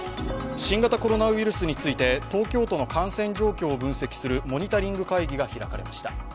新型コロナウイルスについて、東京都の感染状況を分析するモニタリング会議が開かれました。